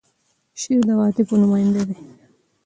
شعر د عواطفو نماینده دی.